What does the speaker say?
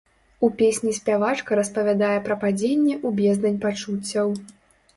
У песні спявачка распавядае пра падзенне ў бездань пачуццяў.